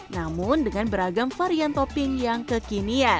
namun dengan beragam varian topping yang kekinian